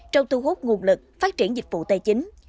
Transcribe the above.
trong thu hút nguồn lực phát triển dịch vụ tài chính